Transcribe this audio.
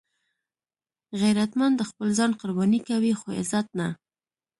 غیرتمند خپل ځان قرباني کوي خو عزت نه